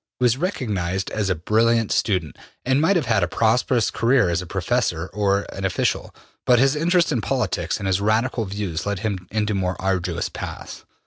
He was recognized as a brilliant student, and might have had a prosperous career as a professor or an official, but his interest in politics and his Radical views led him into more arduous paths.